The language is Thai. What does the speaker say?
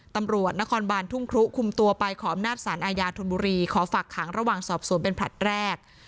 ตำรวจนครบานทุ่งครุคุมตัวไปขออำนาจสารอาญาธนบุรีขอฝากขังระหว่างสอบสวนเป็นผลัดแรก